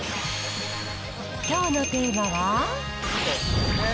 きょうのテーマは。